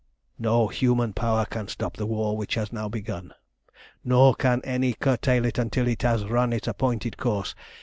"No human power can stop the war that has now begun, nor can any curtail it until it has run its appointed course.